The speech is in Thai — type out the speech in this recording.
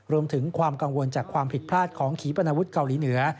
รวมถึงความกังวลจากความผิดพลาดของขีปนาวุฒิเกาหลีเหนือ